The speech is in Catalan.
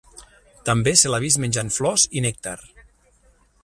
També se l'ha vist menjant flors i nèctar.